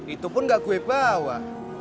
itu pun nggak gue bawa